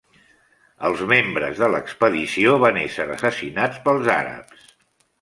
Els membres de l'expedició van ésser assassinats pels àrabs.